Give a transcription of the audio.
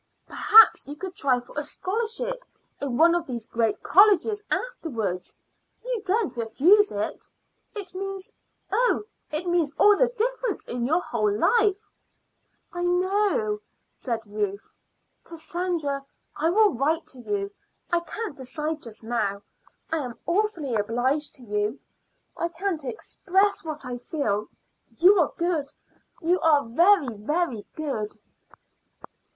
Perhaps you could try for a scholarship in one of these great colleges afterwards. You daren't refuse it. It means oh, it means all the difference in your whole life." "I know," said Ruth. "Cassandra, I will write to you. I can't decide just now. I am awfully obliged to you; I can't express what I feel. You are good; you are very, very good."